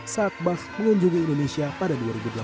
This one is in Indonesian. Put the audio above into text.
saat bah mengunjungi indonesia pada dua ribu delapan belas